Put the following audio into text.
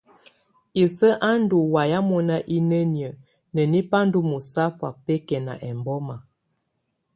Isǝ́ á ndù waya mɔná inǝniǝ́ nǝni ba ndɔ̀ mɔ̀sabɔ̀á bɛkɛna ɛmbɔma.